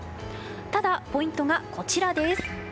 ただ、ポイントがこちらです。